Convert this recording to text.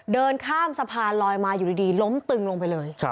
เดินข้ามสะพานลอยมาอยู่ดีล้มตึงลงไปเลย